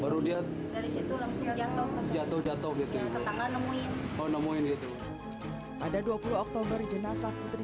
masuk jatuh jatuh jatuh gitu ketangga nemuin kalau nemuin gitu pada dua puluh oktober jenazah putri